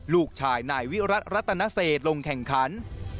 ลูกชายนายวิรัติรัตนเศษลงแข่งขัน